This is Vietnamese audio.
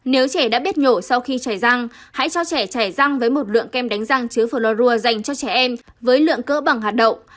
nếu trẻ đã biết nhổ sau khi chảy răng hãy cho trẻ chảy răng với một lượng kem đánh răng chứa flor dành cho trẻ em với lượng cỡ bằng hạt động